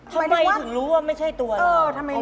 ทำไมถึงรู้ว่าไม่ใช่ตัวเราเออทำไมรู้